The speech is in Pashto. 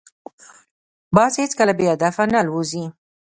باز هیڅکله بې هدفه نه الوزي